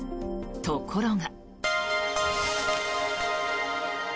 ところが。